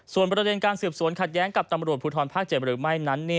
ส่วนประเด็นการสืบสวนขัดแย้งกับตำรวจภูทรภาค๗หรือไม่นั้น